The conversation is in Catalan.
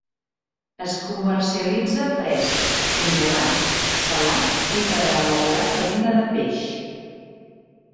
Es comercialitza fresc, congelat, salat i per a elaborar farina de peix.